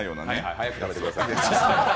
早く食べてください。